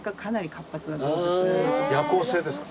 夜行性ですか？